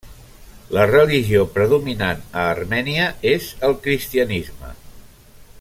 La religió predominant a Armènia és el cristianisme.